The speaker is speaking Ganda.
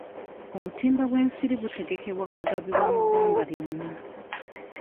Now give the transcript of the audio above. Obutimba bw'ensiri butegekebwa kugabibwa mu ggwanga lyonna.